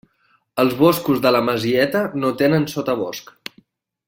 Els boscos de la Masieta no tenen sotabosc.